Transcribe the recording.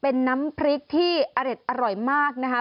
เป็นน้ำพริกที่อร็ดอร่อยมากนะคะ